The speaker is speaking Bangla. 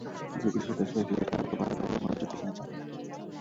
দ্বিতীয় বিশ্বযুদ্ধের শেষ দিকে তাঁর ওপর বাধ্যতামূলকভাবে যুদ্ধে যাওয়ার চাপ আসে।